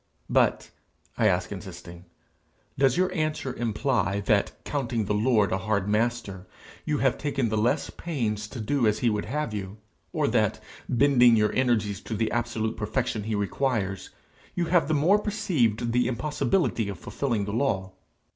'But,' I ask insisting, 'does your answer imply that, counting the Lord a hard master, you have taken the less pains to do as he would have you? or that, bending your energies to the absolute perfection he requires, you have the more perceived the impossibility of fulfilling the law?